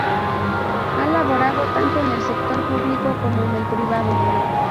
Ha laborado tanto en el sector público como en el privado.